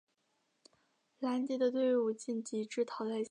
蓝底的队伍晋级至淘汰赛。